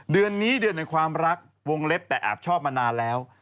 เดือนนี้เดือนในความรักวงเล็บแต่แอบชอบมานานแล้ว